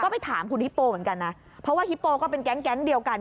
ไปถามคุณฮิปโปเหมือนกันนะเพราะว่าฮิปโปก็เป็นแก๊งเดียวกัน